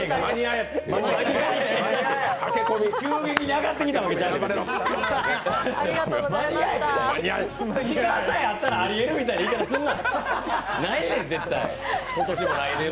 急激に上がってきたわけちゃうで。